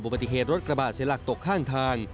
ปฏิเหตุรถกระบะเสียหลักตกข้างทาง